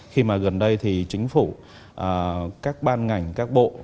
khi mà gần đây thì chính phủ các ban ngành các bộ